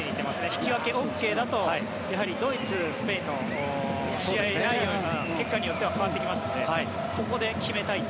引き分けがＯＫだとドイツ、スペインの試合結果によっては変わってきますのでここで決めたい。